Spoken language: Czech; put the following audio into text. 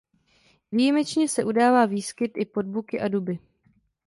Výjimečně se udává výskyt i pod buky a duby.